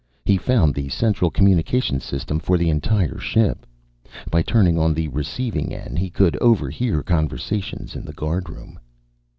He found the central communication system for the entire ship. By turning on the receiving end, he could overhear conversations in the guardroom.